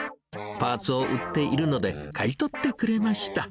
パーツを売っているので、買い取ってくれました。